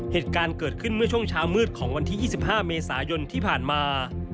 เหตุการณ์เกิดขึ้นเมื่อช่วงเช้ามืดของวันที่๒๕เมษายนที่ผ่านมา